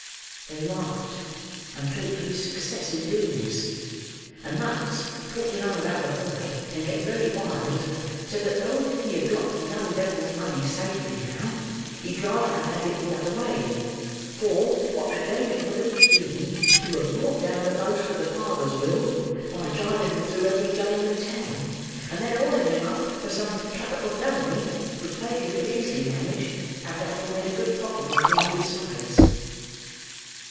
They laughed, and talked of his success in doing this; and Monks, talking on about the boy, and getting very wild, said that though he had got the young devil's money safely now, he'd rather have had it the other way; for, what a game it would have been to have brought down the boast of the father's will, by driving him through every jail in town, and then hauling him up for some capital felony which Fagin could easily manage, after having made a good profit of him besides."